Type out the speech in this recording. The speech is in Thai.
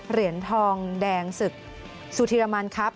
เหรียญทองแดงศึกสุธิรมันครับ